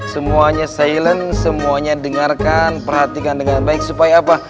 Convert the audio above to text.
semuanya silent semuanya dengarkan perhatikan dengan baik supaya apa